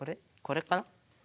これかな？